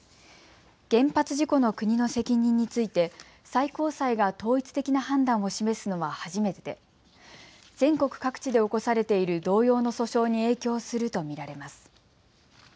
原発事故の国の責任について最高裁が統一的な判断を示すのは初めてで全国各地で起こされている同様の訴訟に影響すると見られます。